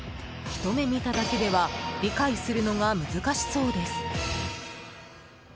ひと目見ただけでは理解するのが難しそうです。